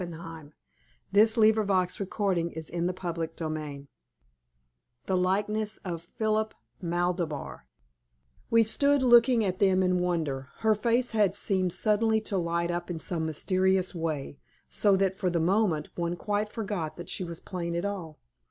Her eyes seemed to be devouring him. "At last!" she cried. "At last!" CHAPTER XV THE LIKENESS OF PHILIP MALTABAR We stood looking at them in wonder. Her face had seemed suddenly to light up in some mysterious way, so that for the moment one quite forgot that she was plain at all.